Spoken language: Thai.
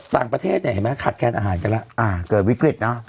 ต่างประเทศเนี่ยเห็นไหมขาดแคลนอาหารกันแล้วอ่าเกิดวิกฤตนะ